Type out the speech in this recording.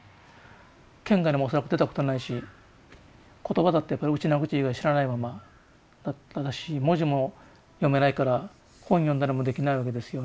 県外にも恐らく出たことないし言葉だってやっぱりウチナーグチ以外知らないままだったし文字も読めないから本読んだりもできないわけですよね。